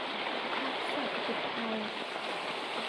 พรรคเศรษฐกิจไทย